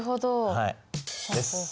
はい。